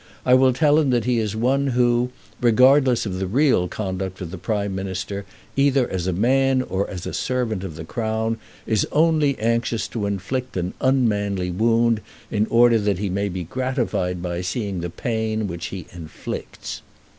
I will tell him that he is one who, regardless of the real conduct of the Prime Minister, either as a man or as a servant of the Crown, is only anxious to inflict an unmanly wound in order that he may be gratified by seeing the pain which he inflicts."